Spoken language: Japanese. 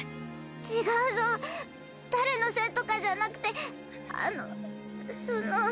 違うぞ誰のせいとかじゃなくてあのその。